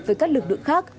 với các lực lượng khác